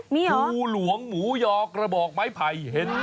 ภูหลวงหมูยอกระบอกไม้ไผ่